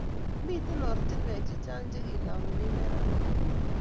Mitei ortinwek chechang chekilongune neranik